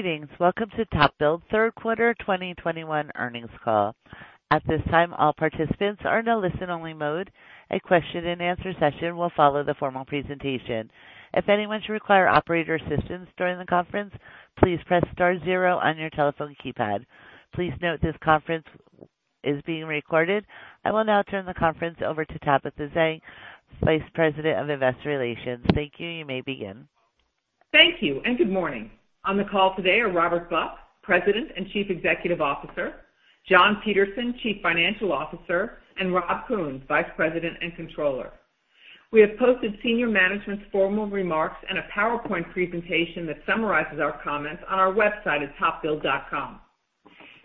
Greetings. Welcome to TopBuild's third quarter 2021 earnings call. At this time, all participants are in a listen-only mode. A question-and-answer session will follow the formal presentation. If anyone should require operator assistance during the conference, please press star zero on your telephone keypad. Please note this conference is being recorded. I will now turn the conference over to Tabitha Zane, Vice President of Investor Relations. Thank you. You may begin. Thank you, and good morning. On the call today are Robert Buck, President and Chief Executive Officer, John Peterson, Chief Financial Officer, and Rob Kuhns, Vice President and Controller. We have posted senior management's formal remarks and a PowerPoint presentation that summarizes our comments on our website at topbuild.com.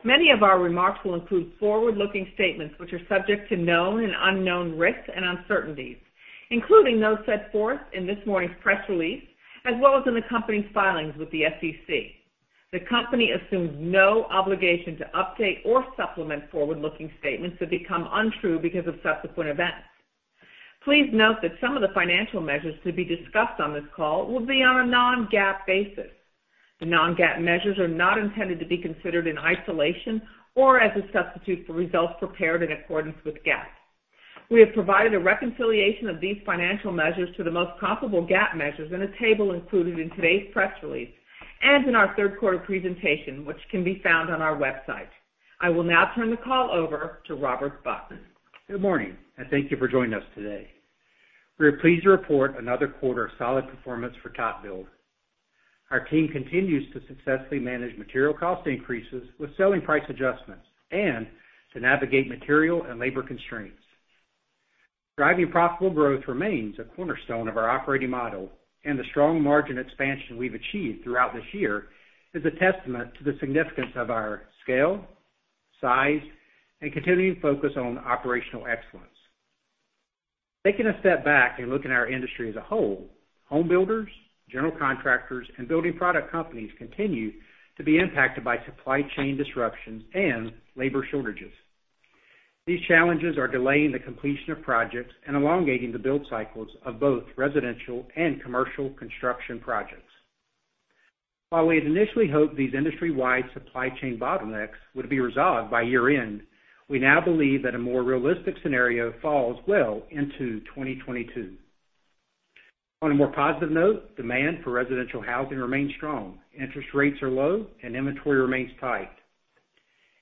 Many of our remarks will include forward-looking statements, which are subject to known and unknown risks and uncertainties, including those set forth in this morning's press release, as well as in the company's filings with the SEC. The company assumes no obligation to update or supplement forward-looking statements that become untrue because of subsequent events. Please note that some of the financial measures to be discussed on this call will be on a non-GAAP basis. The non-GAAP measures are not intended to be considered in isolation or as a substitute for results prepared in accordance with GAAP. We have provided a reconciliation of these financial measures to the most comparable GAAP measures in a table included in today's press release and in our third quarter presentation, which can be found on our website. I will now turn the call over to Robert Buck. Good morning, and thank you for joining us today. We are pleased to report another quarter of solid performance for TopBuild. Our team continues to successfully manage material cost increases with selling price adjustments and to navigate material and labor constraints. Driving profitable growth remains a cornerstone of our operating model, and the strong margin expansion we've achieved throughout this year is a testament to the significance of our scale, size, and continuing focus on operational excellence. Taking a step back and looking at our industry as a whole, homebuilders, general contractors, and building product companies continue to be impacted by supply chain disruptions and labor shortages. These challenges are delaying the completion of projects and elongating the build cycles of both residential and commercial construction projects. While we had initially hoped these industry-wide supply chain bottlenecks would be resolved by year-end, we now believe that a more realistic scenario falls well into 2022. On a more positive note, demand for residential housing remains strong, interest rates are low, and inventory remains tight.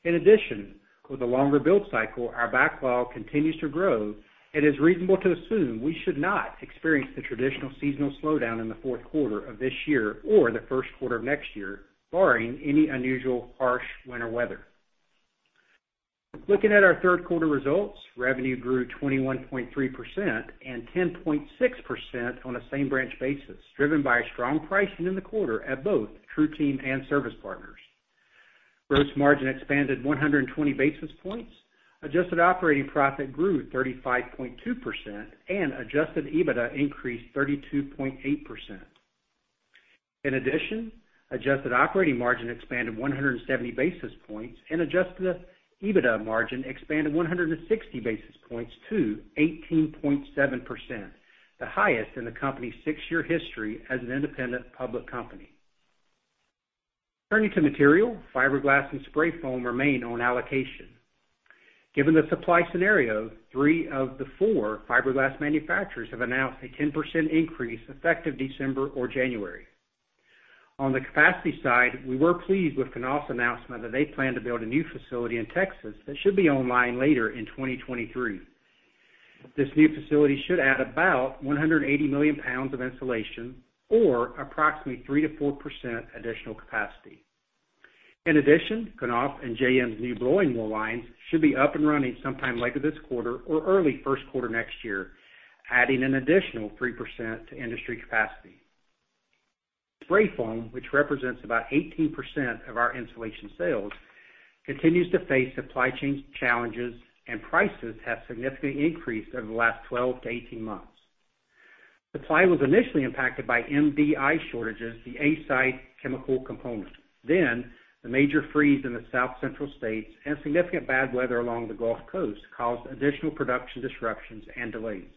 In addition, with a longer build cycle, our backlog continues to grow, and it's reasonable to assume we should not experience the traditional seasonal slowdown in the fourth quarter of this year or the first quarter of next year, barring any unusual, harsh winter weather. Looking at our third quarter results, revenue grew 21.3% and 10.6% on a same branch basis, driven by a strong pricing in the quarter at both TruTeam and Service Partners. Gross margin expanded 120 basis points, adjusted operating profit grew 35.2%, and adjusted EBITDA increased 32.8%. In addition, adjusted operating margin expanded 170 basis points, and adjusted EBITDA margin expanded 160 basis points to 18.7%, the highest in the company's six-year history as an independent public company. Turning to material, fiberglass and spray foam remain on allocation. Given the supply scenario, three of the four fiberglass manufacturers have announced a 10% increase, effective December or January. On the capacity side, we were pleased with Knauf's announcement that they plan to build a new facility in Texas that should be online later in 2023. This new facility should add about 180 million pounds of insulation or approximately 3%-4% additional capacity. In addition, Knauf and JM's new blowing wool lines should be up and running sometime later this quarter or early first quarter next year, adding an additional 3% to industry capacity. Spray foam, which represents about 18% of our insulation sales, continues to face supply chain challenges, and prices have significantly increased over the last 12-18 months. Supply was initially impacted by MDI shortages, the A-side chemical component. Then, the major freeze in the South Central States and significant bad weather along the Gulf Coast caused additional production disruptions and delays.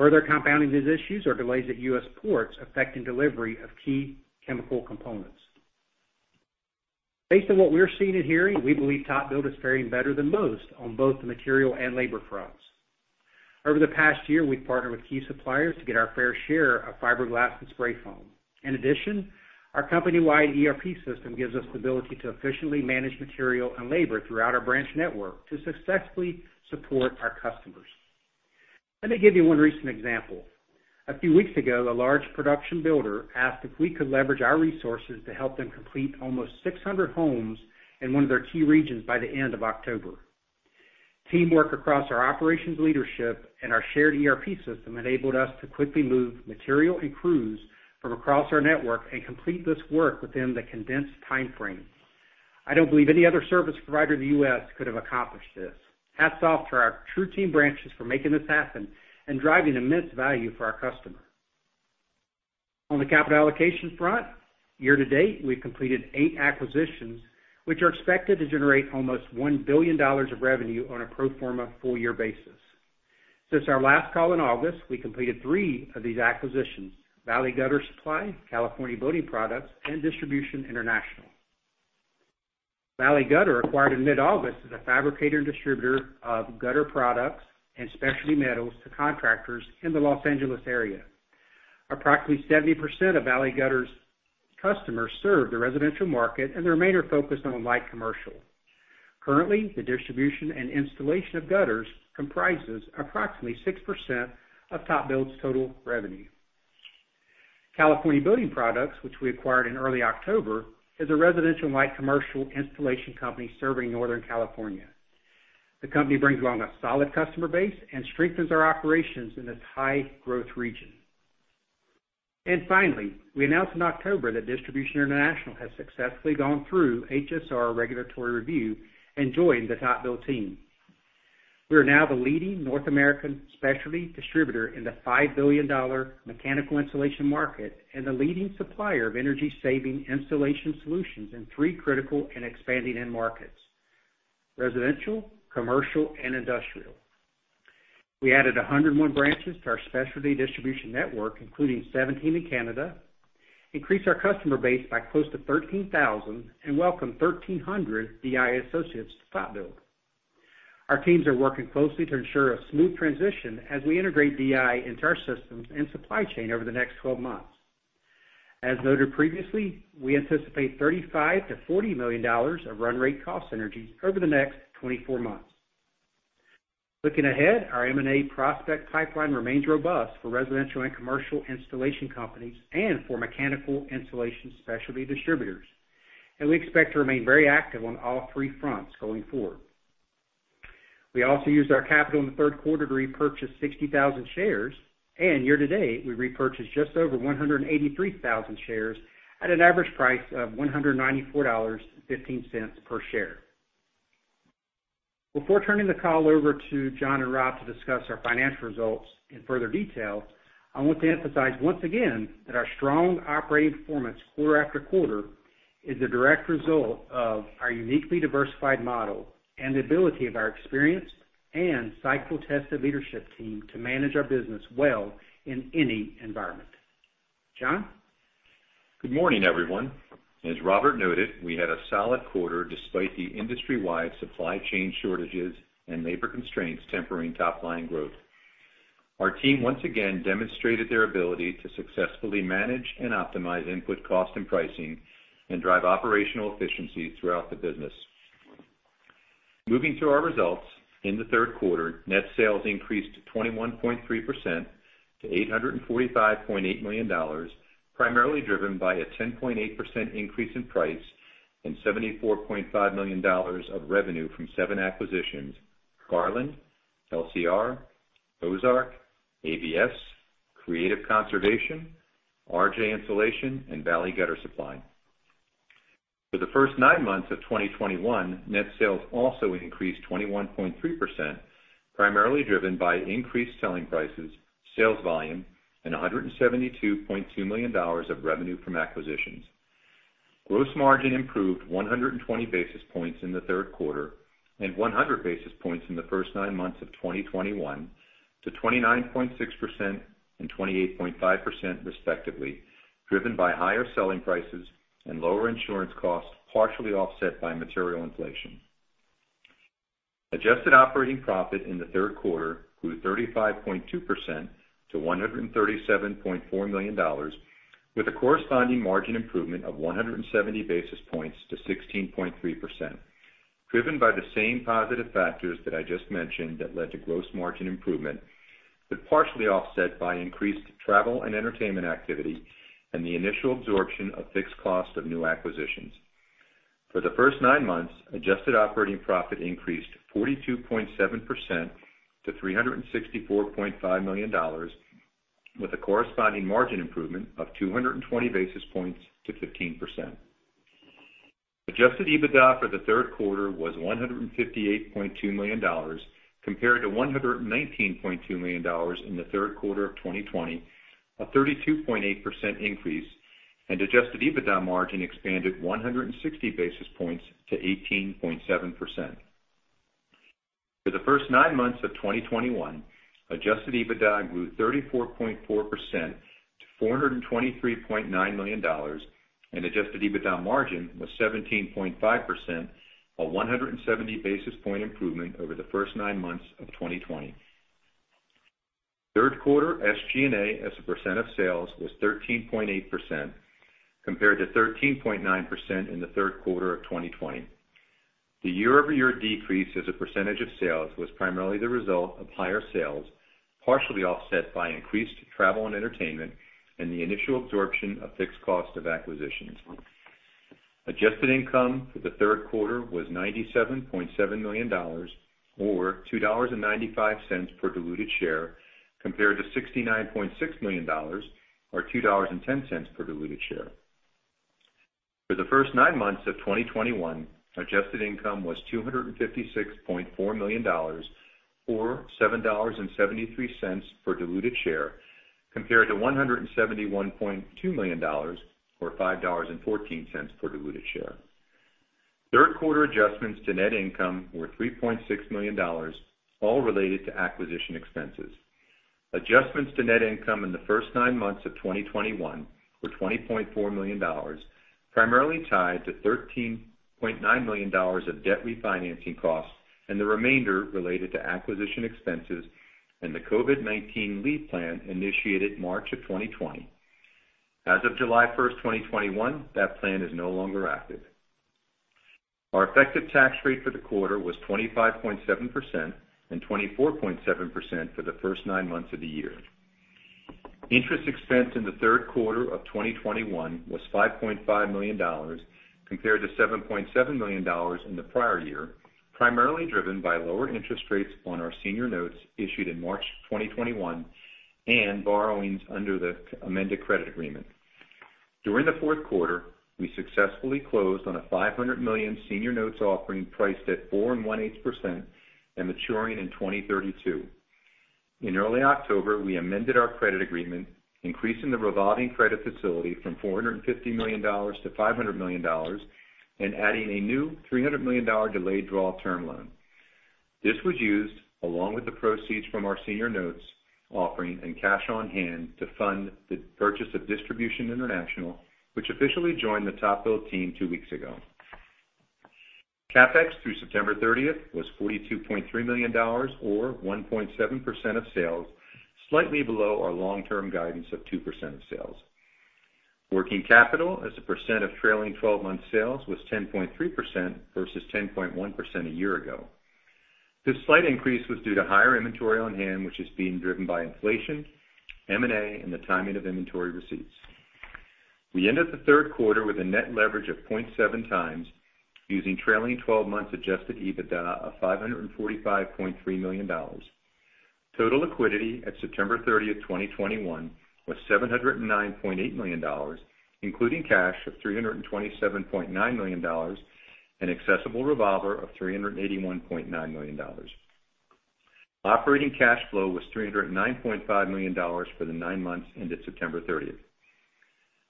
Further compounding these issues are delays at U.S. ports, affecting delivery of key chemical components. Based on what we're seeing and hearing, we believe TopBuild is faring better than most on both the material and labor fronts. Over the past year, we've partnered with key suppliers to get our fair share of fiberglass and spray foam. In addition, our company-wide ERP system gives us the ability to efficiently manage material and labor throughout our branch network to successfully support our customers. Let me give you one recent example. A few weeks ago, a large production builder asked if we could leverage our resources to help them complete almost 600 homes in one of their key regions by the end of October. Teamwork across our operations leadership and our shared ERP system enabled us to quickly move material and crews from across our network and complete this work within the condensed timeframe. I don't believe any other service provider in the U.S. could have accomplished this. Hats off to our TruTeam branches for making this happen and driving immense value for our customer. On the capital allocation front, year to date, we've completed eight acquisitions, which are expected to generate almost $1 billion of revenue on a pro forma full year basis. Since our last call in August, we completed three of these acquisitions: Valley Gutter Supply, California Building Products, and Distribution International. Valley Gutter, acquired in mid-August, is a fabricator and distributor of gutter products and specialty metals to contractors in the Los Angeles area. Approximately 70% of Valley Gutter's customers serve the residential market, and the remainder focus on light commercial. Currently, the distribution and installation of gutters comprises approximately 6% of TopBuild's total revenue. California Building Products, which we acquired in early October, is a residential light commercial installation company serving Northern California. The company brings along a solid customer base and strengthens our operations in this high-growth region. And finally, we announced in October that Distribution International has successfully gone through HSR regulatory review and joined the TopBuild team. We are now the leading North American specialty distributor in the $5 billion mechanical insulation market and the leading supplier of energy-saving insulation solutions in three critical and expanding end markets, residential, commercial, and industrial. We added 101 branches to our specialty distribution network, including 17 in Canada, increased our customer base by close to 13,000, and welcomed 1,300 DI associates to TopBuild. Our teams are working closely to ensure a smooth transition as we integrate DI into our systems and supply chain over the next 12 months. As noted previously, we anticipate $35 million-$40 million of run rate cost synergies over the next 24 months. Looking ahead, our M&A prospect pipeline remains robust for residential and commercial installation companies and for mechanical installation specialty distributors, and we expect to remain very active on all three fronts going forward. We also used our capital in the third quarter to repurchase 60,000 shares, and year to date, we repurchased just over 183,000 shares at an average price of $194.15 per share. Before turning the call over to John and Rob to discuss our financial results in further detail, I want to emphasize once again that our strong operating performance quarter after quarter is a direct result of our uniquely diversified model and the ability of our experienced and cycle-tested leadership team to manage our business well in any environment. John? Good morning, everyone. As Robert noted, we had a solid quarter despite the industry-wide supply chain shortages and labor constraints tempering top-line growth. Our team once again demonstrated their ability to successfully manage and optimize input cost and pricing and drive operational efficiency throughout the business. Moving to our results, in the third quarter, net sales increased 21.3% to $845.8 million, primarily driven by a 10.8% increase in price and $74.5 million of revenue from seven acquisitions, Garland, LCR, Ozark, ABS, Creative Conservation, RJ Insulation, and Valley Gutter Supply. For the first nine months of 2021, net sales also increased 21.3%, primarily driven by increased selling prices, sales volume, and $172.2 million of revenue from acquisitions. Gross margin improved 120 basis points in the third quarter and 100 basis points in the first nine months of 2021 to 29.6% and 28.5%, respectively, driven by higher selling prices and lower insurance costs, partially offset by material inflation. Adjusted operating profit in the third quarter grew 35.2% to $137.4 million, with a corresponding margin improvement of 170 basis points to 16.3%, driven by the same positive factors that I just mentioned that led to gross margin improvement, but partially offset by increased travel and entertainment activity and the initial absorption of fixed costs of new acquisitions. For the first nine months, adjusted operating profit increased 42.7% to $364.5 million, with a corresponding margin improvement of 220 basis points to 15%. Adjusted EBITDA for the third quarter was $158.2 million, compared to $119.2 million in the third quarter of 2020, a 32.8% increase, and adjusted EBITDA margin expanded 160 basis points to 18.7%. For the first nine months of 2021, adjusted EBITDA grew 34.4% to $423.9 million, and adjusted EBITDA margin was 17.5%, a 170 basis point improvement over the first nine months of 2020. Third quarter SG&A, as a percent of sales, was 13.8%, compared to 13.9% in the third quarter of 2020. The year-over-year decrease as a percentage of sales was primarily the result of higher sales, partially offset by increased travel and entertainment and the initial absorption of fixed cost of acquisitions. Adjusted income for the third quarter was $97.7 million, or $2.95 per diluted share, compared to $69.6 million, or $2.10 per diluted share. For the first nine months of 2021, adjusted income was $256.4 million, or $7.73 per diluted share, compared to $171.2 million, or $5.14 per diluted share. Third quarter adjustments to net income were $3.6 million, all related to acquisition expenses. Adjustments to net income in the first nine months of 2021 were $20.4 million, primarily tied to $13.9 million of debt refinancing costs and the remainder related to acquisition expenses and the COVID-19 leave plan initiated March of 2020. As of July 1, 2021, that plan is no longer active. Our effective tax rate for the quarter was 25.7% and 24.7% for the first nine months of the year. Interest expense in the third quarter of 2021 was $5.5 million, compared to $7.7 million in the prior year, primarily driven by lower interest rates on our senior notes issued in March 2021 and borrowings under the amended credit agreement. During the fourth quarter, we successfully closed on a $500 million senior notes offering, priced at 4.18% and maturing in 2032. In early October, we amended our credit agreement, increasing the revolving credit facility from $450 million to $500 million and adding a new $300 million delayed draw term loan. This was used, along with the proceeds from our senior notes offering and cash on hand, to fund the purchase of Distribution International, which officially joined the TopBuild team two weeks ago. CapEx through September thirtieth was $42.3 million or 1.7% of sales, slightly below our long-term guidance of 2% of sales. Working capital as a percent of trailing twelve-month sales was 10.3% versus 10.1% a year ago. This slight increase was due to higher inventory on hand, which is being driven by inflation, M&A, and the timing of inventory receipts. We ended the third quarter with a net leverage of 0.7 times, using trailing twelve-month adjusted EBITDA of $545.3 million. Total liquidity at September thirtieth, 2021, was $709.8 million, including cash of $327.9 million and accessible revolver of $381.9 million. Operating cash flow was $309.5 million for the nine months ended September thirtieth.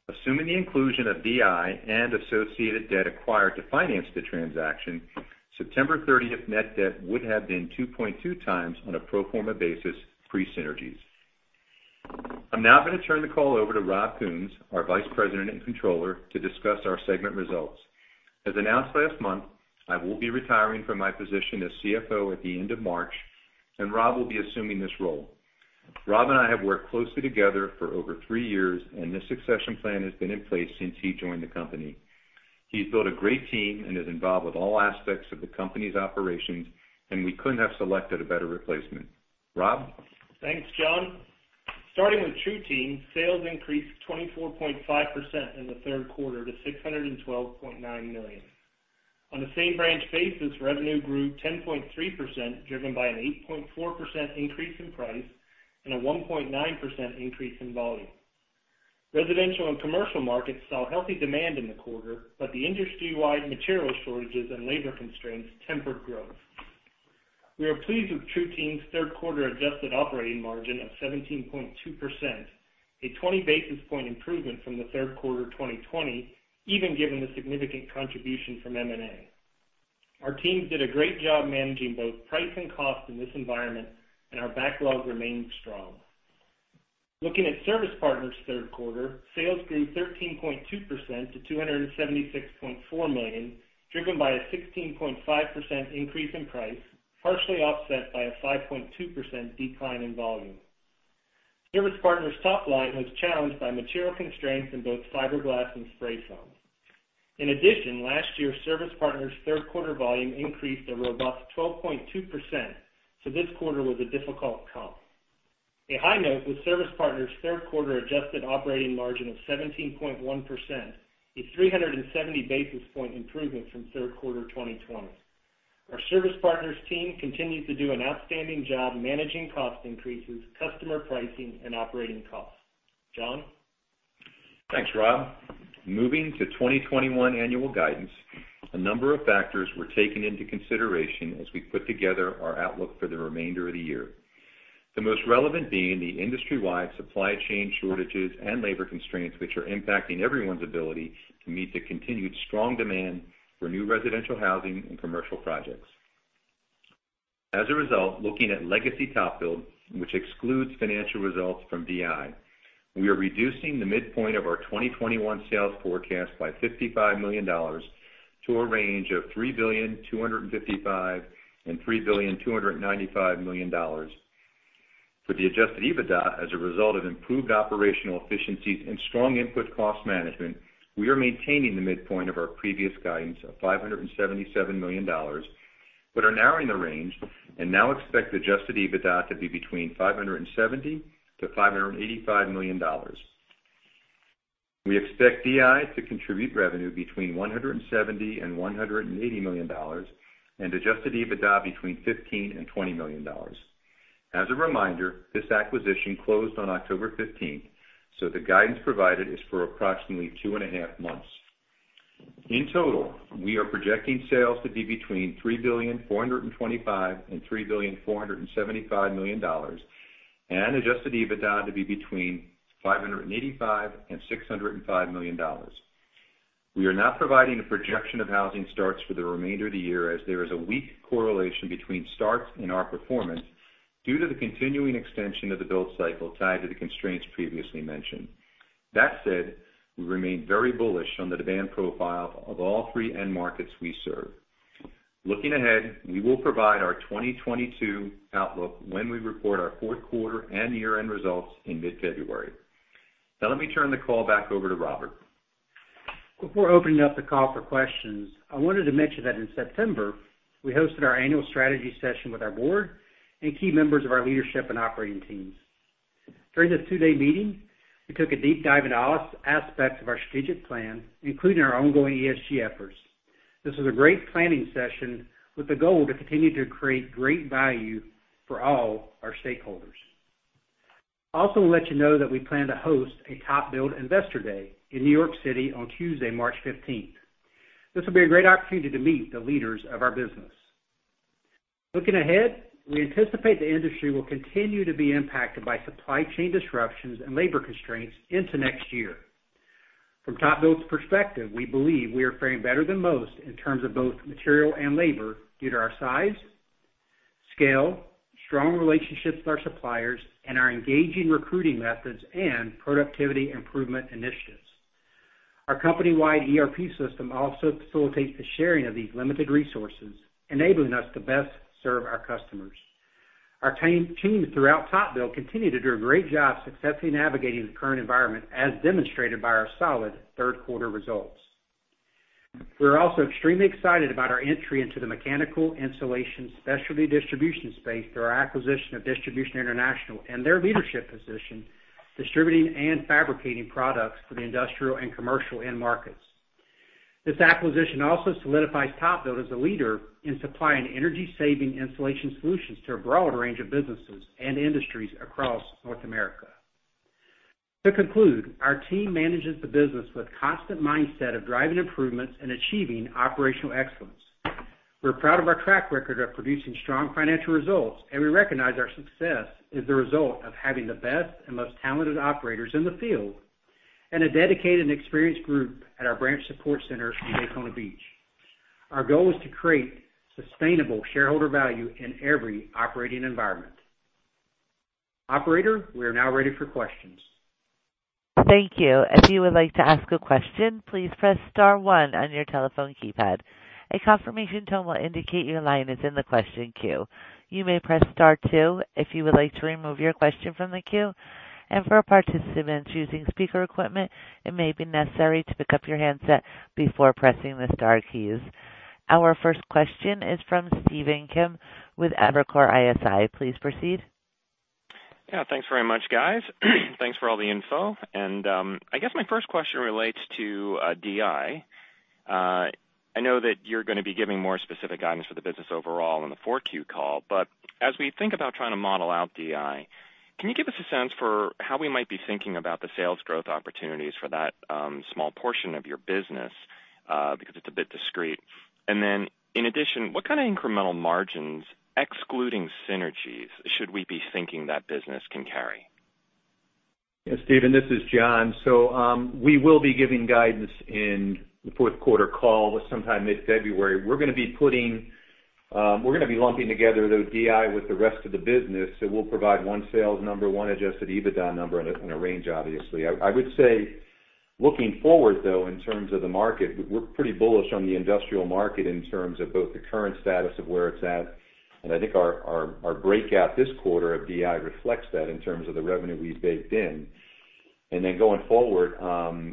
Assuming the inclusion of DI and associated debt acquired to finance the transaction, September thirtieth net debt would have been 2.2 times on a pro forma basis, pre-synergies. I'm now going to turn the call over to Rob Kuhns, our Vice President and Controller, to discuss our segment results. As announced last month, I will be retiring from my position as CFO at the end of March, and Rob will be assuming this role. Rob and I have worked closely together for over three years, and this succession plan has been in place since he joined the company. He's built a great team and is involved with all aspects of the company's operations, and we couldn't have selected a better replacement. Rob? Thanks, John. Starting with TruTeam, sales increased 24.5% in the third quarter to $612.9 million. On a same-branch basis, revenue grew 10.3%, driven by an 8.4% increase in price and a 1.9% increase in volume. Residential and commercial markets saw healthy demand in the quarter, but the industry-wide material shortages and labor constraints tempered growth. We are pleased with TruTeam's third quarter adjusted operating margin of 17.2%, a 20 basis point improvement from the third quarter of 2020, even given the significant contribution from M&A. Our teams did a great job managing both price and cost in this environment, and our backlog remains strong. Looking at Service Partners' third quarter, sales grew 13.2% to $276.4 million, driven by a 16.5% increase in price, partially offset by a 5.2% decline in volume. Service Partners' top line was challenged by material constraints in both fiberglass and spray foam. In addition, last year, Service Partners' third quarter volume increased a robust 12.2%, so this quarter was a difficult comp. A high note was Service Partners' third quarter adjusted operating margin of 17.1%, a 370 basis point improvement from third quarter 2020. Our Service Partners team continues to do an outstanding job managing cost increases, customer pricing, and operating costs. John? Thanks, Rob. Moving to 2021 annual guidance, a number of factors were taken into consideration as we put together our outlook for the remainder of the year. The most relevant being the industry-wide supply chain shortages and labor constraints, which are impacting everyone's ability to meet the continued strong demand for new residential housing and commercial projects. As a result, looking at legacy TopBuild, which excludes financial results from DI, we are reducing the midpoint of our 2021 sales forecast by $55 million to a range of $3.255 billion-$3.295 billion. For the adjusted EBITDA, as a result of improved operational efficiencies and strong input cost management, we are maintaining the midpoint of our previous guidance of $577 million, but are narrowing the range and now expect adjusted EBITDA to be between $570 million-$585 million. We expect DI to contribute revenue between $170 million and $180 million, and adjusted EBITDA between $15 million and $20 million. As a reminder, this acquisition closed on October fifteenth, so the guidance provided is for approximately two and a half months. In total, we are projecting sales to be between $3.425 billion and $3.475 billion, and adjusted EBITDA to be between $585 million and $605 million. We are not providing a projection of housing starts for the remainder of the year, as there is a weak correlation between starts and our performance due to the continuing extension of the build cycle tied to the constraints previously mentioned. That said, we remain very bullish on the demand profile of all three end markets we serve. Looking ahead, we will provide our twenty twenty-two outlook when we report our fourth quarter and year-end results in mid-February. Now let me turn the call back over to Robert. Before opening up the call for questions, I wanted to mention that in September, we hosted our annual strategy session with our board and key members of our leadership and operating teams. During this two-day meeting, we took a deep dive into all aspects of our strategic plan, including our ongoing ESG efforts. This was a great planning session with the goal to continue to create great value for all our stakeholders. Also, we'll let you know that we plan to host a TopBuild Investor Day in New York City on Tuesday, March fifteenth. This will be a great opportunity to meet the leaders of our business. Looking ahead, we anticipate the industry will continue to be impacted by supply chain disruptions and labor constraints into next year. From TopBuild's perspective, we believe we are faring better than most in terms of both material and labor due to our size, scale, strong relationships with our suppliers, and our engaging recruiting methods and productivity improvement initiatives. Our company-wide ERP system also facilitates the sharing of these limited resources, enabling us to best serve our customers. Our teams throughout TopBuild continue to do a great job successfully navigating the current environment, as demonstrated by our solid third quarter results. We're also extremely excited about our entry into the mechanical insulation specialty distribution space through our acquisition of Distribution International and their leadership position, distributing and fabricating products for the industrial and commercial end markets. This acquisition also solidifies TopBuild as a leader in supplying energy-saving insulation solutions to a broad range of businesses and industries across North America. To conclude, our team manages the business with constant mindset of driving improvements and achieving operational excellence. We're proud of our track record of producing strong financial results, and we recognize our success is the result of having the best and most talented operators in the field, and a dedicated and experienced group at our branch support center in Daytona Beach. Our goal is to create sustainable shareholder value in every operating environment. Operator, we are now ready for questions. Thank you. If you would like to ask a question, please press star one on your telephone keypad. A confirmation tone will indicate your line is in the question queue. You may press star two if you would like to remove your question from the queue, and for participants using speaker equipment, it may be necessary to pick up your handset before pressing the star keys. Our first question is from Stephen Kim with Evercore ISI. Please proceed. Yeah, thanks very much, guys. Thanks for all the info, and I guess my first question relates to DI. I know that you're going to be giving more specific guidance for the business overall on the 4Q call, but as we think about trying to model out DI, can you give us a sense for how we might be thinking about the sales growth opportunities for that small portion of your business? Because it's a bit discrete, and then, in addition, what kind of incremental margins, excluding synergies, should we be thinking that business can carry? Yes, Stephen, this is John. So, we will be giving guidance in the fourth quarter call, sometime mid-February. We're gonna be lumping together the DI with the rest of the business, so we'll provide one sales number, one adjusted EBITDA number and a range, obviously. I would say, looking forward, though, in terms of the market, we're pretty bullish on the industrial market in terms of both the current status of where it's at, and I think our breakout this quarter of DI reflects that in terms of the revenue we've baked in. And then going forward,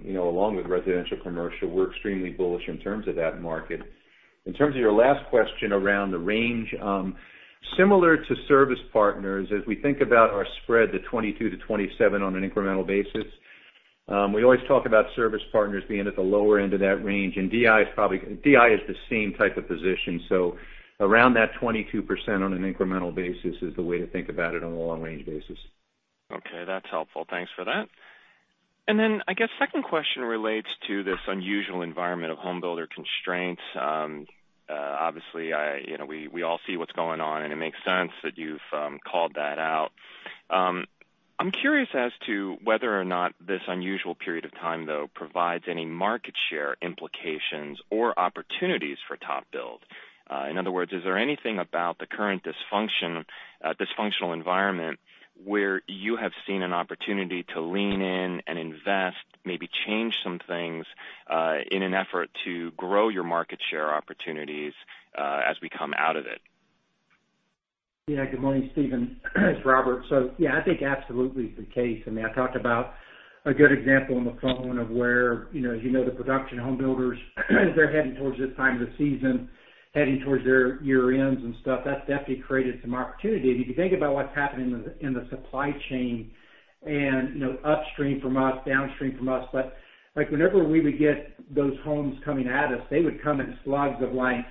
you know, along with residential, commercial, we're extremely bullish in terms of that market. In terms of your last question around the range, similar to Service Partners, as we think about our spread to 22-27 on an incremental basis, we always talk about Service Partners being at the lower end of that range, and DI is the same type of position. So around that 22% on an incremental basis is the way to think about it on a long-range basis. Okay, that's helpful. Thanks for that. And then I guess second question relates to this unusual environment of home builder constraints. Obviously, I, you know, we all see what's going on, and it makes sense that you've called that out. I'm curious as to whether or not this unusual period of time, though, provides any market share implications or opportunities for TopBuild. In other words, is there anything about the current dysfunction, dysfunctional environment, where you have seen an opportunity to lean in and invest, maybe change some things, in an effort to grow your market share opportunities, as we come out of it? Yeah. Good morning, Stephen. It's Robert. So yeah, I think absolutely it's the case. I mean, I talked about a good example on the phone of where, you know, as you know, the production home builders, they're heading towards this time of the season, heading towards their year-ends and stuff. That's definitely created some opportunity. If you think about what's happening in the supply chain and, you know, upstream from us, downstream from us, but like, whenever we would get those homes coming at us, they would come in slogs of like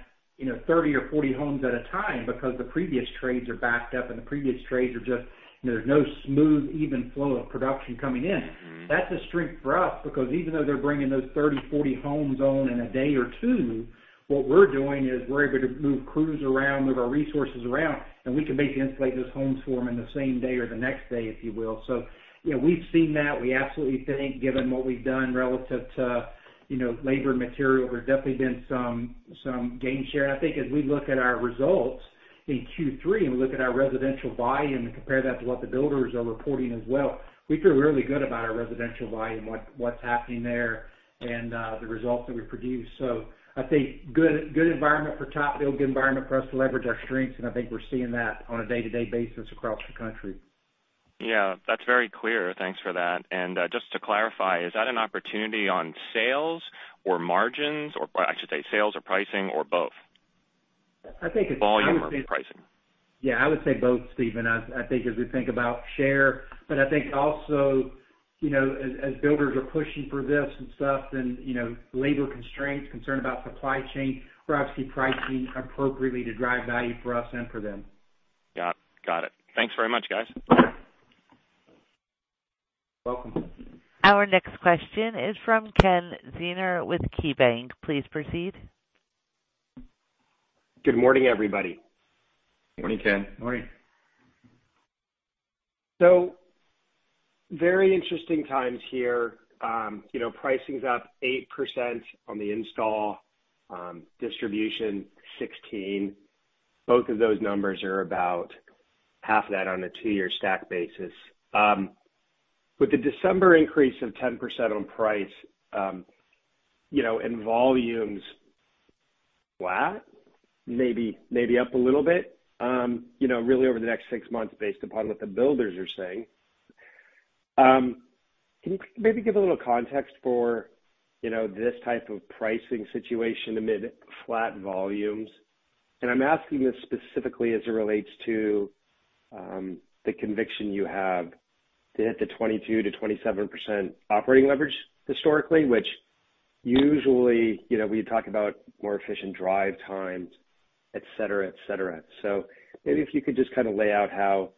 thirty or forty homes at a time because the previous trades are backed up, and the previous trades are just, you know, there's no smooth, even flow of production coming in. Mm-hmm. That's a strength for us, because even though they're bringing those 30, 40 homes on in a day or two, what we're doing is we're able to move crews around, move our resources around, and we can basically insulate those homes for them in the same day or the next day, if you will. So, you know, we've seen that. We absolutely think, given what we've done relative to, you know, labor material, there's definitely been some gain share. I think as we look at our results in Q3 and we look at our residential volume and compare that to what the builders are reporting as well, we feel really good about our residential volume, what's happening there, and the results that we produce. I think good, good environment for TopBuild, good environment for us to leverage our strengths, and I think we're seeing that on a day-to-day basis across the country. Yeah, that's very clear. Thanks for that, and just to clarify, is that an opportunity on sales or margins, or I should say, sales or pricing, or both? I think it's- Volume or pricing. Yeah, I would say both, Stephen, as I think, as we think about share. But I think also, you know, as builders are pushing for this and stuff, then, you know, labor constraints, concern about supply chain, we're obviously pricing appropriately to drive value for us and for them. Got it. Got it. Thanks very much, guys. Welcome. Our next question is from Ken Zener with KeyBanc. Please proceed. Good morning, everybody. Morning, Ken. Morning. So very interesting times here. You know, pricing's up 8% on the install, distribution, 16%. Both of those numbers are about half that on a two-year stack basis. With the December increase of 10% on price, you know, and volume's flat, maybe up a little bit, you know, really over the next six months, based upon what the builders are saying. Can you maybe give a little context for, you know, this type of pricing situation amid flat volumes? And I'm asking this specifically as it relates to, the conviction you have to hit the 22%-27% operating leverage historically, which usually, you know, we talk about more efficient drive times, et cetera, et cetera. Maybe if you could just kind of lay out how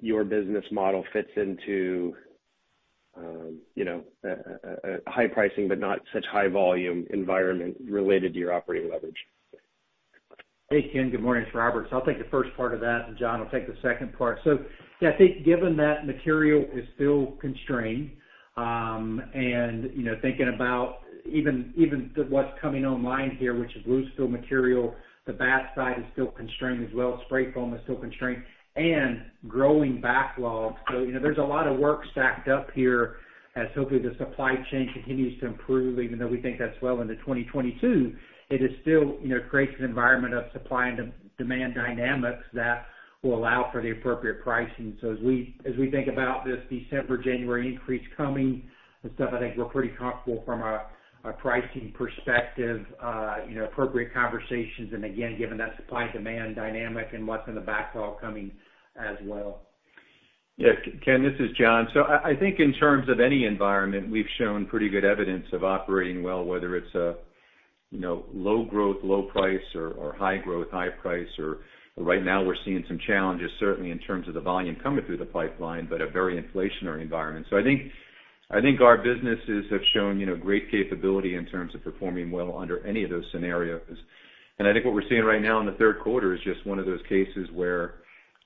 your business model fits into, you know, high pricing, but not such high volume environment related to your operating leverage? Hey, Ken. Good morning, it's Robert. So I'll take the first part of that, and John will take the second part. So yeah, I think given that material is still constrained, and, you know, thinking about even what's coming online here, which is loose fill material, the batt side is still constrained as well. Spray foam is still constrained and growing backlogs. So, you know, there's a lot of work stacked up here as hopefully the supply chain continues to improve, even though we think that's well into 2022. It is still, you know, creates an environment of supply and demand dynamics that will allow for the appropriate pricing. So as we think about this December, January increase coming and stuff, I think we're pretty comfortable from a pricing perspective, you know, appropriate conversations, and again, given that supply-demand dynamic and what's in the backlog coming as well. Yeah, Ken, this is John. So I think in terms of any environment, we've shown pretty good evidence of operating well, whether it's a you know low growth, low price or high growth, high price, or right now we're seeing some challenges, certainly in terms of the volume coming through the pipeline, but a very inflationary environment. So I think our businesses have shown you know great capability in terms of performing well under any of those scenarios. I think what we're seeing right now in the third quarter is just one of those cases where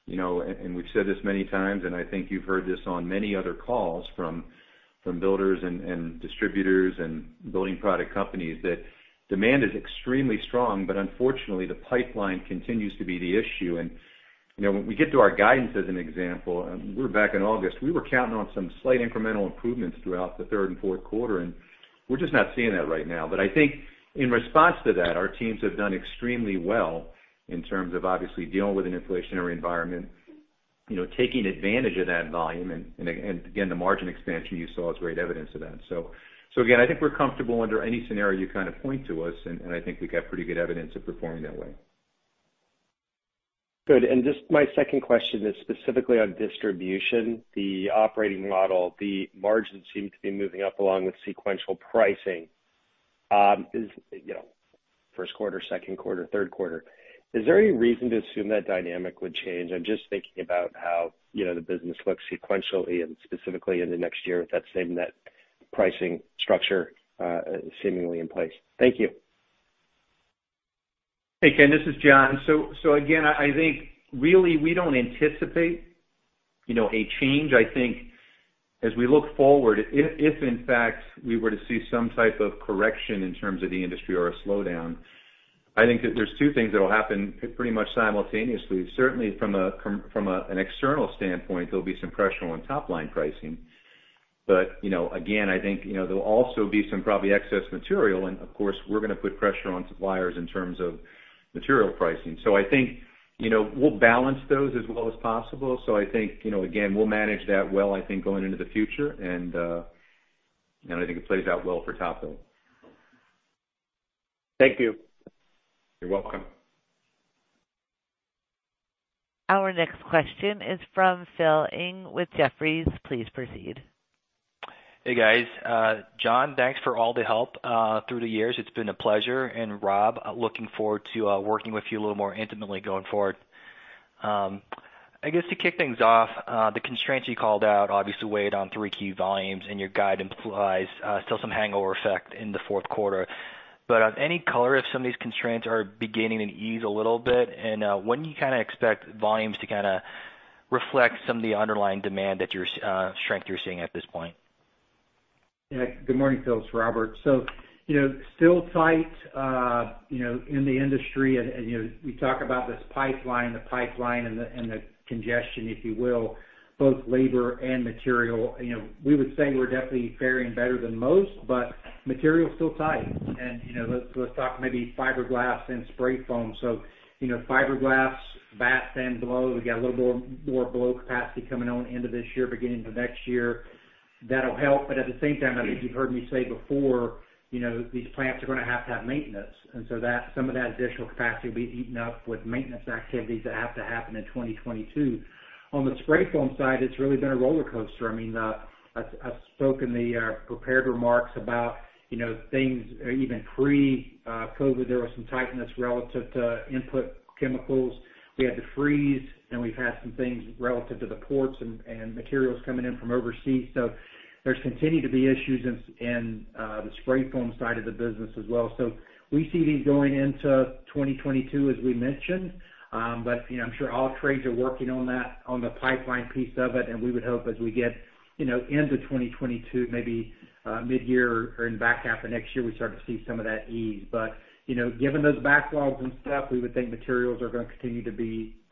you know and we've said this many times, and I think you've heard this on many other calls from builders and distributors and building product companies, that demand is extremely strong, but unfortunately, the pipeline continues to be the issue. You know, when we get to our guidance, as an example, we're back in August, we were counting on some slight incremental improvements throughout the third and fourth quarter, and we're just not seeing that right now. But I think in response to that, our teams have done extremely well in terms of obviously dealing with an inflationary environment, you know, taking advantage of that volume. And again, the margin expansion you saw is great evidence of that. So again, I think we're comfortable under any scenario you kind of point to us, and I think we've got pretty good evidence of performing that way. Good. And just my second question is specifically on distribution. The operating model, the margins seem to be moving up along with sequential pricing. Is, you know, first quarter, second quarter, third quarter, is there any reason to assume that dynamic would change? I'm just thinking about how, you know, the business looks sequentially and specifically in the next year with that same net pricing structure seemingly in place. Thank you. Hey, Ken, this is John. So again, I think really we don't anticipate, you know, a change. I think as we look forward, if in fact we were to see some type of correction in terms of the industry or a slowdown, I think that there's two things that will happen pretty much simultaneously. Certainly from an external standpoint, there'll be some pressure on top-line pricing. But, you know, again, I think, you know, there'll also be some probably excess material, and of course, we're going to put pressure on suppliers in terms of material pricing. So I think, you know, we'll balance those as well as possible. So I think, you know, again, we'll manage that well, I think, going into the future, and I think it plays out well for TopBuild. Thank you. You're welcome. Our next question is from Phil Ng with Jefferies. Please proceed. Hey, guys. John, thanks for all the help through the years. It's been a pleasure, and Rob, looking forward to working with you a little more intimately going forward. I guess to kick things off, the constraints you called out obviously weighed on three key volumes, and your guidance implies still some hangover effect in the fourth quarter. But, any color if some of these constraints are beginning to ease a little bit? And, when do you kind of expect volumes to kind of reflect some of the underlying demand that you're-- strength you're seeing at this point? Yeah. Good morning, Phil. It's Robert. So, you know, still tight in the industry and, you know, we talk about this pipeline and the congestion, if you will, both labor and material. You know, we would say we're definitely faring better than most, but material's still tight. And, you know, let's talk maybe fiberglass and spray foam. So, you know, fiberglass, batt and blown, we got a little more blow capacity coming on end of this year, beginning of next year. That'll help, but at the same time, I think you've heard me say before, you know, these plants are gonna have to have maintenance, and so that some of that additional capacity will be eaten up with maintenance activities that have to happen in 2022. On the spray foam side, it's really been a rollercoaster. I mean, I've spoken the prepared remarks about, you know, things even pre-COVID. There was some tightness relative to input chemicals. We had the freeze, and we've had some things relative to the ports and materials coming in from overseas. So there's continued to be issues in the spray foam side of the business as well. So we see these going into 2022, as we mentioned. But, you know, I'm sure all trades are working on that, on the pipeline piece of it, and we would hope as we get, you know, into 2022, maybe mid-year or in the back half of next year, we start to see some of that ease. But, you know, given those backlogs and stuff, we would think materials are gonna continue to be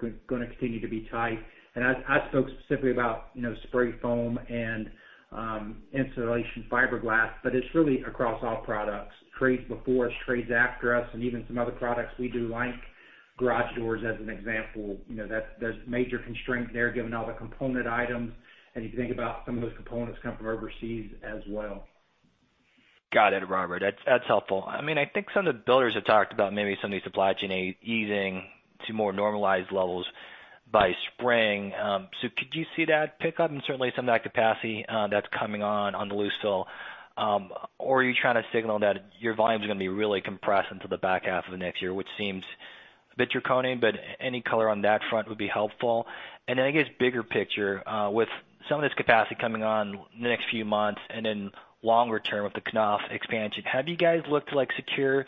tight. And I spoke specifically about, you know, spray foam and, insulation fiberglass, but it's really across all products. Trades before us, trades after us, and even some other products we do, like garage doors, as an example. You know, that, there's major constraints there, given all the component items, and you think about some of those components come from overseas as well. Got it, Robert. That's helpful. I mean, I think some of the builders have talked about maybe some of these supply chain easing to more normalized levels by spring. So could you see that pick up and certainly some of that capacity that's coming on, on the loose fill? Or are you trying to signal that your volumes are gonna be really compressed into the back half of the next year, which seems a bit draconian, but any color on that front would be helpful. And then, I guess, bigger picture, with some of this capacity coming on in the next few months, and then longer term with the Knauf expansion, have you guys looked to, like, secure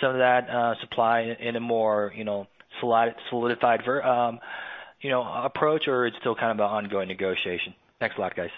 some of that supply in a more, you know, solidified approach, or it's still kind of an ongoing negotiation? Thanks a lot, guys.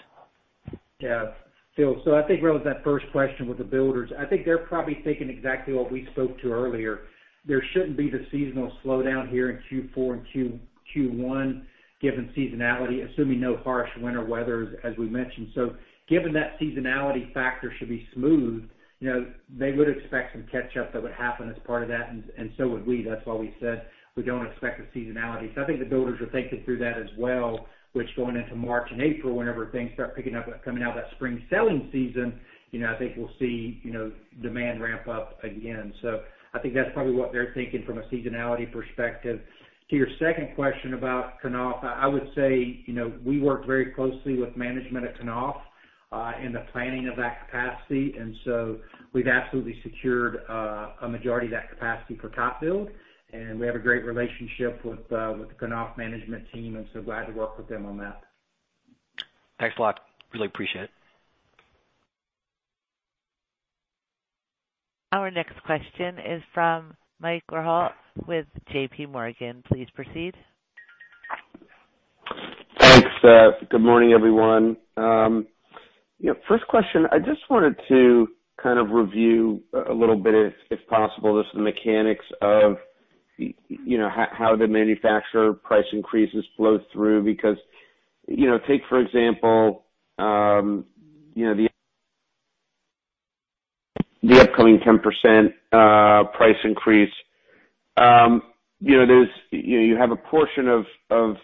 Yeah. Phil, so I think relative to that first question with the builders, I think they're probably thinking exactly what we spoke to earlier. There shouldn't be the seasonal slowdown here in Q4 and Q1, given seasonality, assuming no harsh winter weather, as we mentioned. So given that seasonality factor should be smooth, you know, they would expect some catch-up that would happen as part of that, and so would we. That's why we said we don't expect the seasonality. So I think the builders are thinking through that as well, which going into March and April, whenever things start picking up, coming out of that spring selling season, you know, I think we'll see, you know, demand ramp up again. So I think that's probably what they're thinking from a seasonality perspective. To your second question about Knauf, I would say, you know, we work very closely with management at Knauf in the planning of that capacity, and so we've absolutely secured a majority of that capacity for TopBuild, and we have a great relationship with the Knauf management team, and so glad to work with them on that. Thanks a lot. Really appreciate it. Our next question is from Mike Rehaut with JPMorgan. Please proceed. Thanks, good morning, everyone. You know, first question, I just wanted to kind of review a little bit, if possible, just the mechanics of, you know, how the manufacturer price increases flow through. Because, you know, take, for example, you know, the upcoming 10% price increase. You know, there's. You have a portion of,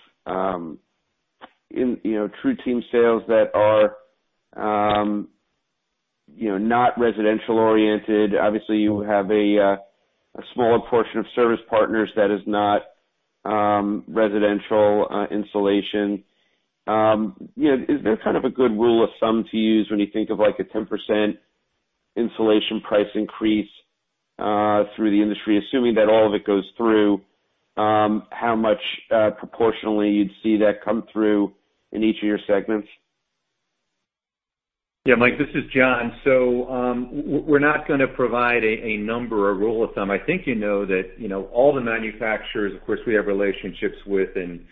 in, you know, TruTeam sales that are, you know, not residential-oriented. Obviously, you have a smaller portion of Service Partners that is not residential insulation. You know, is there kind of a good rule of thumb to use when you think of, like, a 10% insulation price increase through the industry? Assuming that all of it goes through, how much proportionally you'd see that come through in each of your segments? Yeah, Mike, this is John. We're not gonna provide a number or rule of thumb. I think you know that, you know, all the manufacturers, of course, we have relationships with, and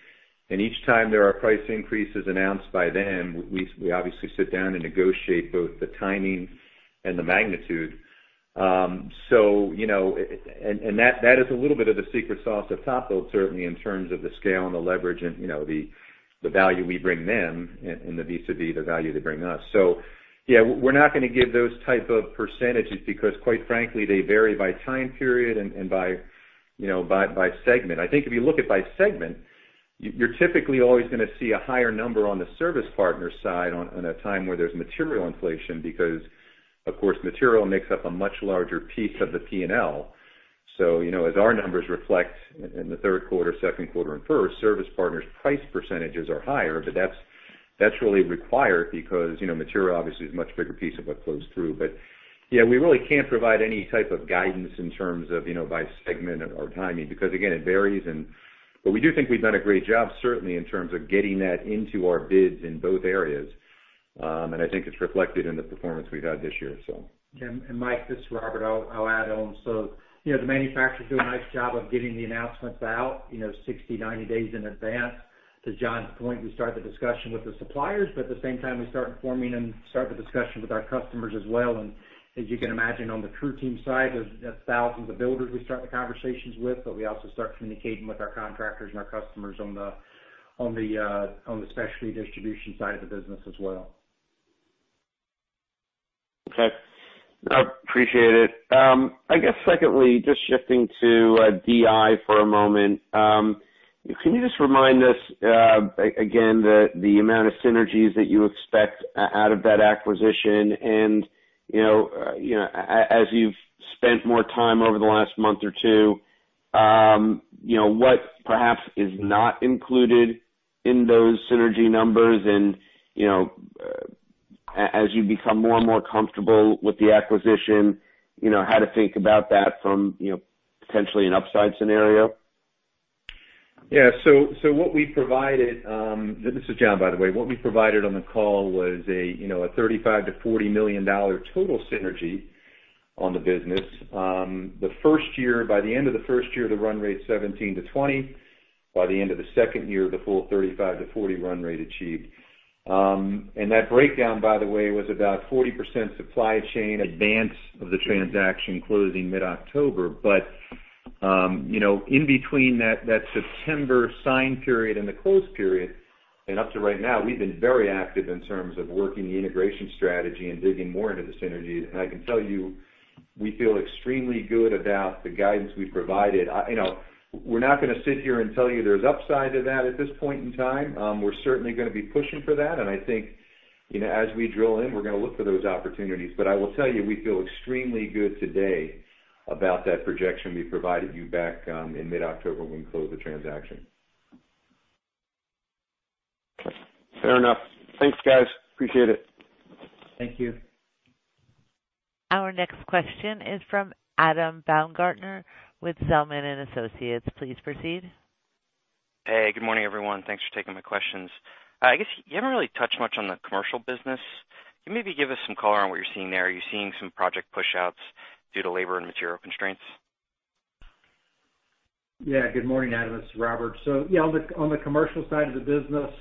each time there are price increases announced by them, we obviously sit down and negotiate both the timing and the magnitude. You know, and that is a little bit of the secret sauce of TopBuild, certainly in terms of the scale and the leverage and, you know, the value we bring them and the vis-a-vis, the value they bring us. Yeah, we're not gonna give those type of percentages, because, quite frankly, they vary by time period and by, you know, by segment. I think if you look at by segment, you're typically always gonna see a higher number on the service partner side on, in a time where there's material inflation, because. Of course, material makes up a much larger piece of the P&L. So, you know, as our numbers reflect in the third quarter, second quarter, and first, Service Partners' price percentages are higher, but that's really required because, you know, material obviously is a much bigger piece of what flows through. But, yeah, we really can't provide any type of guidance in terms of, you know, by segment or, or timing, because, again, it varies and but we do think we've done a great job, certainly, in terms of getting that into our bids in both areas. And I think it's reflected in the performance we've had this year, so. Mike, this is Robert. I'll add on. You know, the manufacturers do a nice job of getting the announcements out, you know, 60, 90 days in advance. To John's point, we start the discussion with the suppliers, but at the same time, we start informing and start the discussion with our customers as well. As you can imagine, on the TruTeam side, there's thousands of builders we start the conversations with, but we also start communicating with our contractors and our customers on the specialty distribution side of the business as well. Okay. I appreciate it. I guess, secondly, just shifting to DI for a moment. Can you just remind us again the amount of synergies that you expect out of that acquisition? And, you know, as you've spent more time over the last month or two, you know, what perhaps is not included in those synergy numbers? And, you know, as you become more and more comfortable with the acquisition, you know, how to think about that from, you know, potentially an upside scenario? Yeah, so what we provided. This is John, by the way. What we provided on the call was a, you know, a $35 million-$40 million total synergy on the business. The first year, by the end of the first year, the run rate $17-$20. By the end of the second year, the full $35-$40 run rate achieved. And that breakdown, by the way, was about 40% supply chain advance of the transaction closing mid-October. But, you know, in between that September signing period and the closing period, and up to right now, we've been very active in terms of working the integration strategy and digging more into the synergies. And I can tell you, we feel extremely good about the guidance we've provided. You know, we're not going to sit here and tell you there's upside to that at this point in time. We're certainly going to be pushing for that, and I think, you know, as we drill in, we're going to look for those opportunities. But I will tell you, we feel extremely good today about that projection we provided you back in mid-October, when we closed the transaction. Fair enough. Thanks, guys. Appreciate it. Thank you. Our next question is from Adam Baumgartner with Zelman & Associates. Please proceed. Hey, good morning, everyone. Thanks for taking my questions. I guess you haven't really touched much on the commercial business. Can you maybe give us some color on what you're seeing there? Are you seeing some project pushouts due to labor and material constraints? Yeah. Good morning, Adam. This is Robert. So yeah, on the commercial side of the business,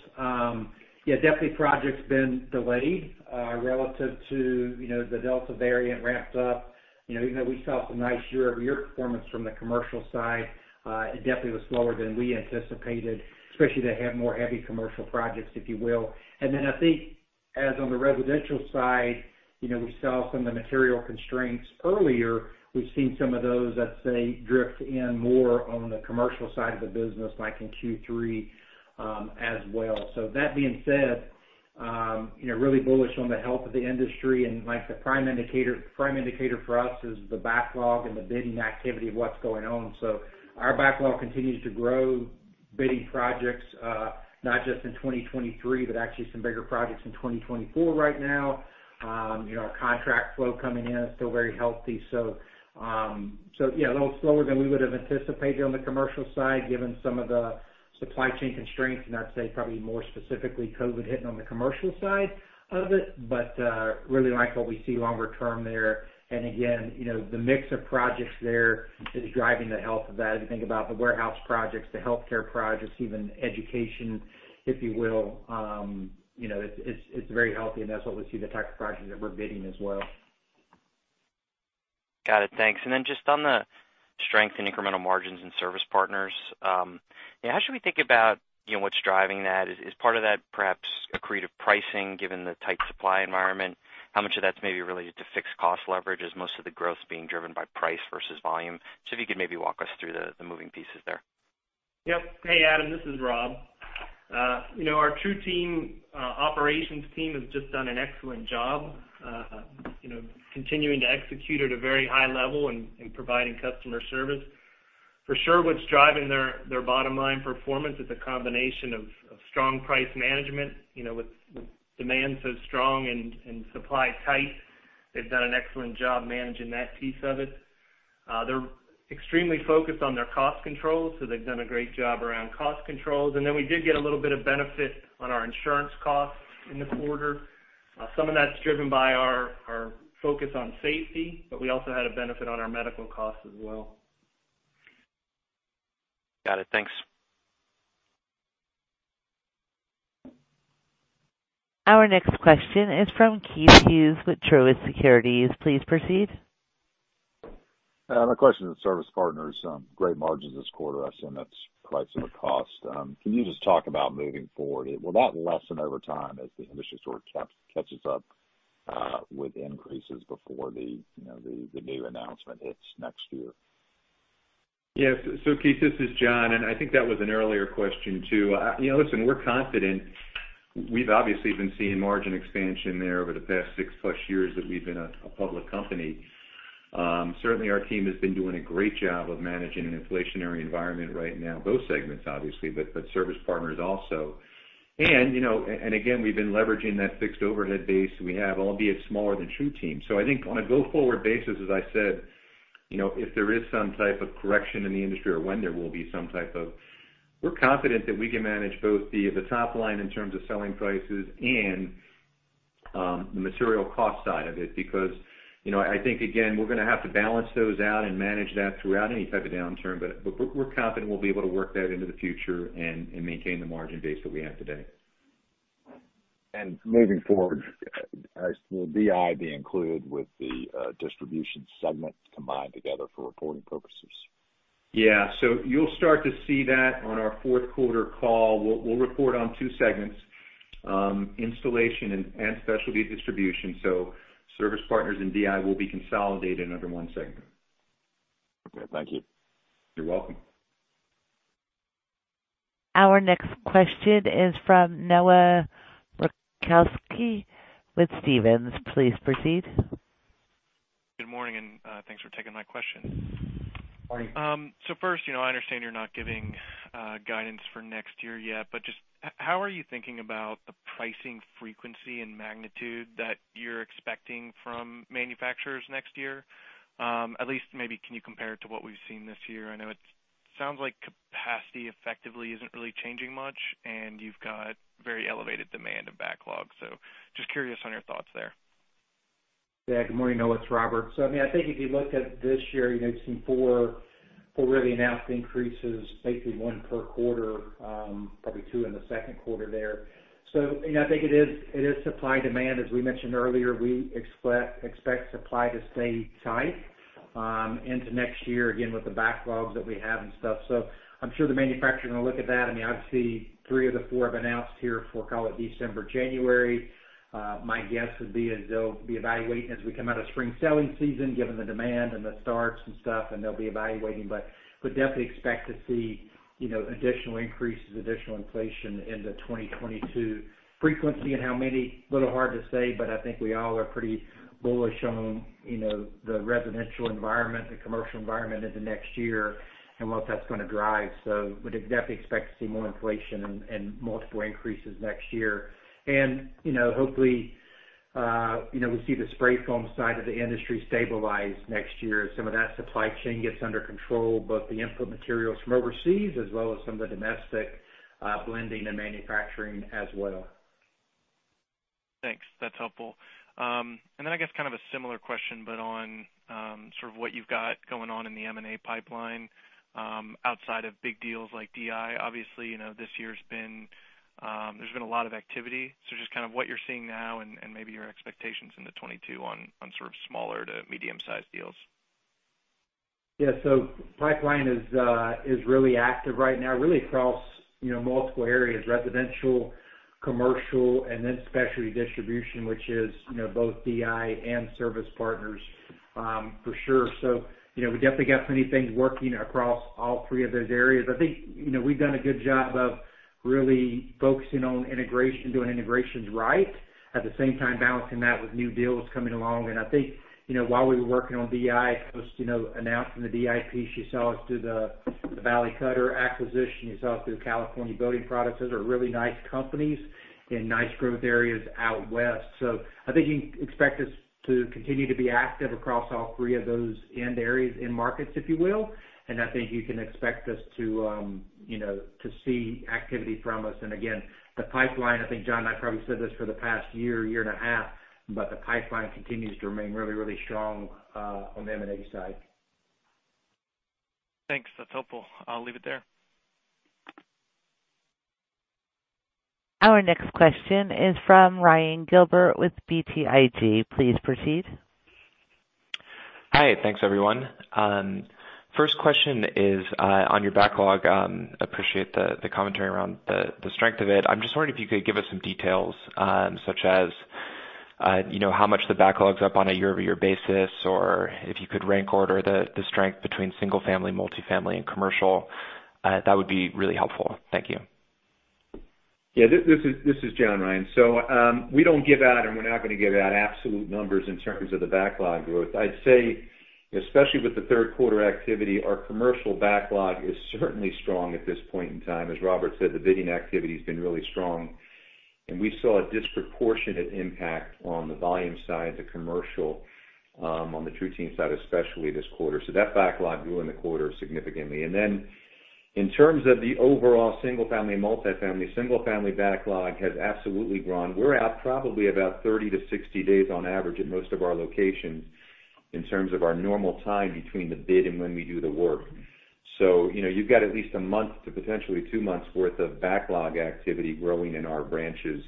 yeah, definitely projects been delayed relative to, you know, the Delta variant ramped up. You know, even though we saw some nice year-over-year performance from the commercial side, it definitely was slower than we anticipated, especially to have more heavy commercial projects, if you will. And then I think, as on the residential side, you know, we saw some of the material constraints earlier. We've seen some of those, let's say, drift in more on the commercial side of the business, like in Q3, as well. So that being said, you know, really bullish on the health of the industry, and like the prime indicator for us is the backlog and the bidding activity of what's going on. So our backlog continues to grow, bidding projects not just in 2023, but actually some bigger projects in 2024 right now. You know, our contract flow coming in is still very healthy. So yeah, a little slower than we would've anticipated on the commercial side, given some of the supply chain constraints, and I'd say probably more specifically, COVID hitting on the commercial side of it, but really like what we see longer term there. And again, you know, the mix of projects there is driving the health of that. As you think about the warehouse projects, the healthcare projects, even education, if you will, you know, it's very healthy, and that's what we see, the type of projects that we're bidding as well. Got it. Thanks. And then just on the strength and incremental margins in Service Partners, how should we think about, you know, what's driving that? Is part of that perhaps accretive pricing, given the tight supply environment? How much of that's maybe related to fixed cost leverage? Is most of the growth being driven by price versus volume? So if you could maybe walk us through the moving pieces there. Yep. Hey, Adam, this is Rob. You know, our TruTeam operations team has just done an excellent job, you know, continuing to execute at a very high level and providing customer service. For sure, what's driving their bottom line performance is a combination of strong price management. You know, with demand so strong and supply tight, they've done an excellent job managing that piece of it. They're extremely focused on their cost controls, so they've done a great job around cost controls. And then we did get a little bit of benefit on our insurance costs in the quarter. Some of that's driven by our focus on safety, but we also had a benefit on our medical costs as well. Got it. Thanks. Our next question is from Keith Hughes with Truist Securities. Please proceed. My question is Service Partners, great margins this quarter. I assume that's price over cost. Can you just talk about moving forward? Will that lessen over time as the industry sort of catches up with increases before the, you know, the new announcement hits next year?... Yes. So Keith, this is John, and I think that was an earlier question, too. You know, listen, we're confident. We've obviously been seeing margin expansion there over the past six plus years that we've been a public company. Certainly, our team has been doing a great job of managing an inflationary environment right now, both segments, obviously, but Service Partners also. And, you know, and again, we've been leveraging that fixed overhead base we have, albeit smaller than TruTeam. So I think on a go-forward basis, as I said, you know, if there is some type of correction in the industry or when there will be some type of, we're confident that we can manage both the top line in terms of selling prices and the material cost side of it. Because, you know, I think, again, we're gonna have to balance those out and manage that throughout any type of downturn, but we're confident we'll be able to work that into the future and maintain the margin base that we have today. And moving forward, will DI be included with the distribution segment combined together for reporting purposes? Yeah. So you'll start to see that on our fourth quarter call. We'll report on two segments, installation and specialty distribution. So Service Partners and DI will be consolidated under one segment. Okay, thank you. You're welcome. Our next question is from Noah Merkousko with Stephens. Please proceed. Good morning, and thanks for taking my question. Morning. So first, you know, I understand you're not giving guidance for next year yet, but just how are you thinking about the pricing frequency and magnitude that you're expecting from manufacturers next year? At least maybe can you compare it to what we've seen this year? I know it sounds like capacity effectively isn't really changing much, and you've got very elevated demand of backlog. So just curious on your thoughts there. Yeah. Good morning, Noah, it's Robert. So I mean, I think if you looked at this year, you've seen four, four really announced increases, basically one per quarter, probably two in the second quarter there. So, you know, I think it is supply-demand. As we mentioned earlier, we expect supply to stay tight, into next year, again, with the backlogs that we have and stuff. So I'm sure the manufacturers are gonna look at that. I mean, obviously, three of the four have announced here for, call it December, January. My guess would be is they'll be evaluating as we come out of spring selling season, given the demand and the starts and stuff, and they'll be evaluating. But would definitely expect to see, you know, additional increases, additional inflation into 2022. Frequency and how many, a little hard to say, but I think we all are pretty bullish on, you know, the residential environment, the commercial environment into next year, and what that's gonna drive. So would definitely expect to see more inflation and multiple increases next year. And, you know, hopefully, you know, we see the spray foam side of the industry stabilize next year as some of that supply chain gets under control, both the input materials from overseas, as well as some of the domestic, blending and manufacturing as well. Thanks. That's helpful. And then I guess kind of a similar question, but on sort of what you've got going on in the M&A pipeline, outside of big deals like DI. Obviously, you know, this year's been, there's been a lot of activity. So just kind of what you're seeing now and, and maybe your expectations into 2022 on sort of smaller to medium-sized deals. Yeah. So the pipeline is really active right now, really across, you know, multiple areas, residential, commercial, and then specialty distribution, which is, you know, both DI and Service Partners, for sure. So, you know, we definitely got many things working across all three of those areas. I think, you know, we've done a good job of really focusing on integration, doing integrations right, at the same time, balancing that with new deals coming along. And I think, you know, while we were working on DI, as you know, announcing the DI piece, you saw us do the Valley Gutter acquisition. You saw us do California Building Products. Those are really nice companies in nice growth areas out west. So I think you can expect us to continue to be active across all three of those end markets, if you will. I think you can expect us to, you know, to see activity from us. Again, the pipeline, I think, John, I probably said this for the past year and a half, but the pipeline continues to remain really, really strong on the M&A side. Thanks. That's helpful. I'll leave it there. Our next question is from Ryan Gilbert with BTIG. Please proceed. Hi. Thanks, everyone. First question is on your backlog. Appreciate the commentary around the strength of it. I'm just wondering if you could give us some details, such as you know, how much the backlog's up on a year-over-year basis, or if you could rank order the strength between single family, multifamily, and commercial. That would be really helpful. Thank you. Yeah, this is John, Ryan. So, we don't give out, and we're not gonna give out absolute numbers in terms of the backlog growth. I'd say, especially with the third quarter activity, our commercial backlog is certainly strong at this point in time. As Robert said, the bidding activity has been really strong, and we saw a disproportionate impact on the volume side, the commercial, on the TruTeam side, especially this quarter. So that backlog grew in the quarter significantly. And then in terms of the overall single family and multifamily, single family backlog has absolutely grown. We're out probably about 30-60 days on average at most of our locations in terms of our normal time between the bid and when we do the work. So, you know, you've got at least a month to potentially two months' worth of backlog activity growing in our branches,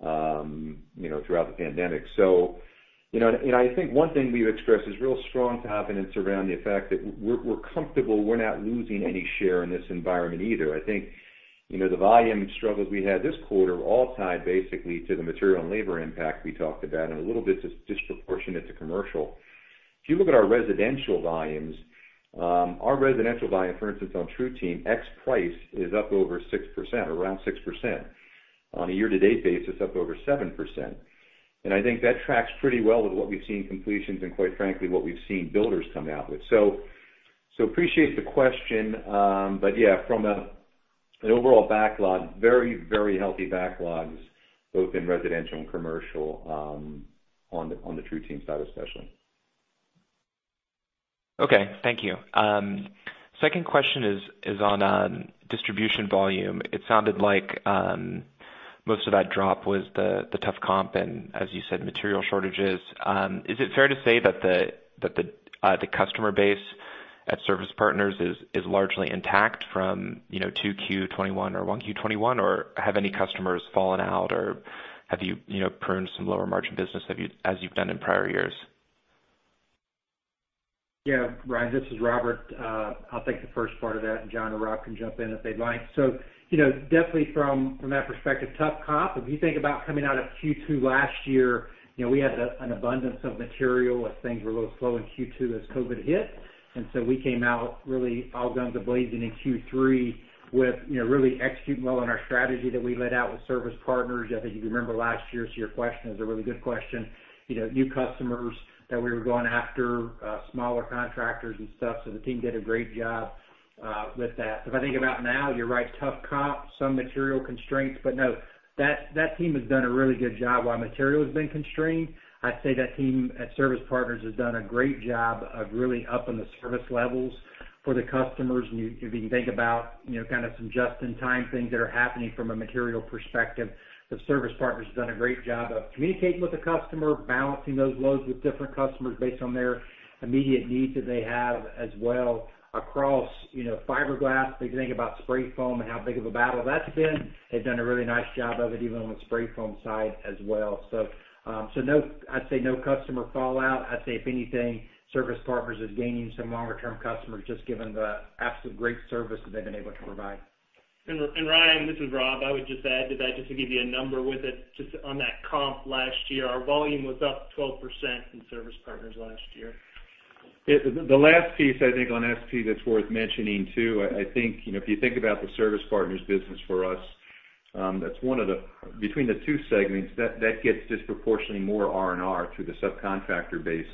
you know, throughout the pandemic. So, you know, and I think one thing we've expressed is real strong confidence around the fact that we're comfortable we're not losing any share in this environment either. You know, the volume struggles we had this quarter all tied basically to the material and labor impact we talked about, and a little bit disproportionate to commercial. If you look at our residential volumes, our residential volume, for instance, on TruTeam, ex price, is up over 6%, around 6%. On a year-to-date basis, up over 7%. And I think that tracks pretty well with what we've seen in completions and, quite frankly, what we've seen builders come out with. So appreciate the question. But yeah, from an overall backlog, very, very healthy backlogs, both in residential and commercial, on the TruTeam side, especially. Okay, thank you. Second question is on distribution volume. It sounded like most of that drop was the tough comp, and as you said, material shortages. Is it fair to say that the customer base at Service Partners is largely intact from, you know, Q2 2021 or Q1 2021? Or have any customers fallen out, or have you, you know, pruned some lower margin business that you've as you've done in prior years? Yeah, Ryan, this is Robert. I'll take the first part of that, and John or Rob can jump in if they'd like. So, you know, definitely from that perspective, tough comp. If you think about coming out of Q2 last year, you know, we had an abundance of material as things were a little slow in Q2 as COVID hit, and so we came out really all guns blazing in Q3 with, you know, really executing well on our strategy that we laid out with Service Partners. I think you remember last year, so your question is a really good question. You know, new customers that we were going after, smaller contractors and stuff, so the team did a great job with that. If I think about now, you're right, tough comp, some material constraints, but no, that, that team has done a really good job. While material has been constrained, I'd say that team at Service Partners has done a great job of really upping the service levels for the customers. And you, if you think about, you know, kind of some just-in-time things that are happening from a material perspective, the Service Partners has done a great job of communicating with the customer, balancing those loads with different customers based on their immediate needs that they have as well, across, you know, fiberglass. If you think about spray foam and how big of a battle that's been, they've done a really nice job of it, even on the spray foam side as well. So, I'd say no customer fallout. I'd say, if anything, Service Partners is gaining some longer-term customers, just given the absolute great service that they've been able to provide. Ryan, this is Rob. I would just add to that, just to give you a number with it, just on that comp last year, our volume was up 12% in Service Partners last year. Yeah, the last piece, I think, on SP that's worth mentioning, too. I think, you know, if you think about the Service Partners business for us, that's one of the between the two segments, that gets disproportionately more R&R through the subcontractor base.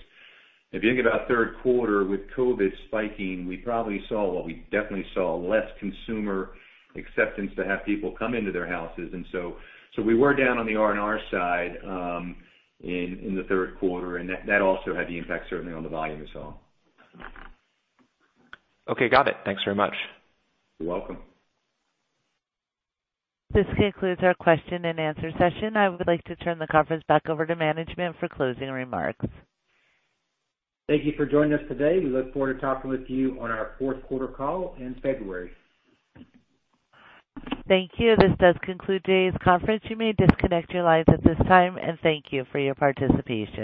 If you think about third quarter with COVID spiking, we probably saw what we definitely saw, less consumer acceptance to have people come into their houses. And so we were down on the R&R side in the third quarter, and that also had the impact, certainly on the volume we saw. Okay, got it. Thanks very much. You're welcome. This concludes our question and answer session. I would like to turn the conference back over to management for closing remarks. Thank you for joining us today. We look forward to talking with you on our fourth quarter call in February. Thank you. This does conclude today's conference. You may disconnect your lines at this time, and thank you for your participation.